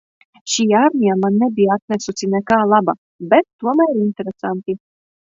Šī armija man nebija atnesusi nekā laba, bet tomēr interesanti.